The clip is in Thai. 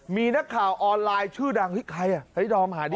มีนักข่าวออนไลน์ชื่อดังเฮ้ยใครอ่ะเฮ้ยดอมหาดิ